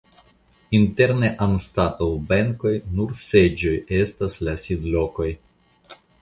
Interne anstataŭ benkoj nur seĝoj estas la sidlokoj.